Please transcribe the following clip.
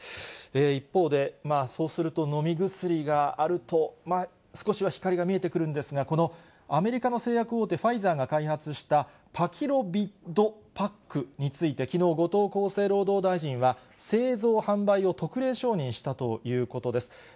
一方で、そうすると、飲み薬があると、少しは光が見えてくるんですが、このアメリカの製薬大手、ファイザーが開発した、パキロビッドパックについて、きのう、後藤厚生労働大臣は、製造・販売を特例承認したということです。